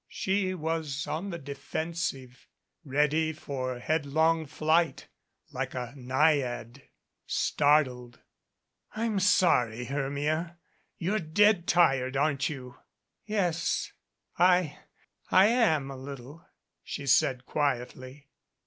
She was on the defensive, ready for headlong flight, like a naiad startled. * "I'm sorry, Hermia. You're dead tired aren't you?" "Yes, I I am a little," she said quietly.